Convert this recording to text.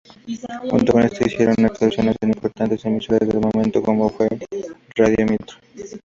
Junto con este hicieron actuaciones en importantes emisoras del momento como fue Radio Mitre.